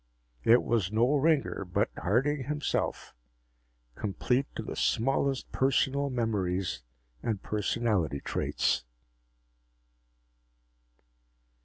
It was no ringer, but Harding himself, complete to the smallest personal memories and personality traits.